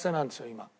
今。